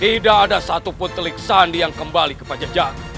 tidak ada satupun telik sandi yang kembali ke pajak jahat